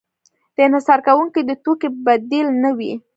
د انحصار کوونکي د توکې بدیل نه وي.